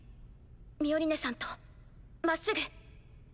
ミオリネさんとまっすぐ。